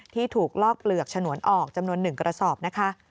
ที่ถูกลอกเปลือกฉนวนออกจำนวน๑กระสอบนะคะ